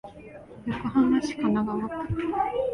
横浜市神奈川区